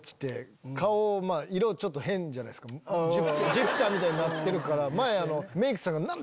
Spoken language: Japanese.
ジュピターみたいになってるから。